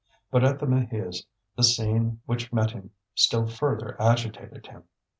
But at the Maheus' the scene which met him still further agitated him.